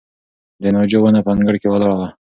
د ناجو ونه په انګړ کې ولاړه وه.